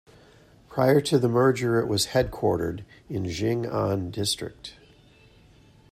Prior to the merger it was headquartered in Jing'an District.